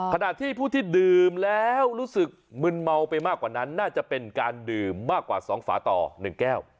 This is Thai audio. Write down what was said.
ขณะที่ผู้ที่ดื่มแล้วรู้สึกมึนเมาไปมากกว่านั้นน่าจะเป็นการดื่มมากกว่า๒ฝาต่อ๑แก้ว